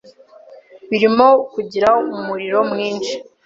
birimo kugira umuriro mwinshi